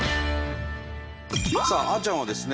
さああちゃんはですね